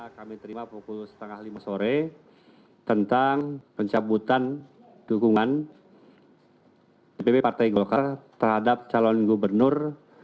kami terima pukul setengah lima sore tentang pencabutan dukungan dpp partai golkar terhadap calon gubernur